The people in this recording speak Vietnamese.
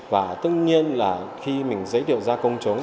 và tất nhiên là khi mình giới thiệu ra công chúng